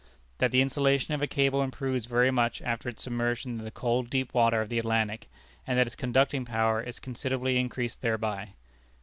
That the insulation of a cable improves very much after its submersion in the cold deep water of the Atlantic, and that its conducting power is considerably increased thereby.